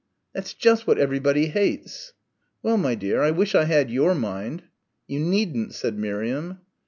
"That's just what everybody hates!" "Well, my dear, I wish I had your mind." "You needn't," said Miriam.